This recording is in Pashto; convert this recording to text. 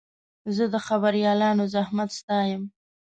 زه د خبریالانو زحمت ستایم.